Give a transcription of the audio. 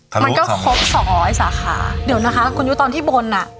มันก็ครบสองร้อยสาขาเดี๋ยวนะคะคุณยุตอนที่บนอ่ะ